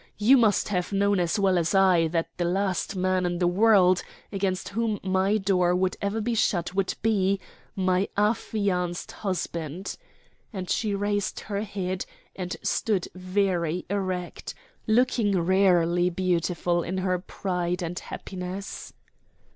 You must have known as well as I that the last man in the world against whom my door would ever be shut would be my affianced husband;" and she raised her head, and stood very erect, looking rarely beautiful in her pride and happiness.